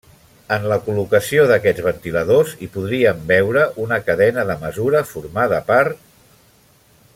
En la col·locació d'aquests ventiladors hi podríem veure una cadena de mesura formada per.